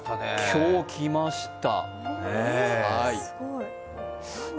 今日、来ました。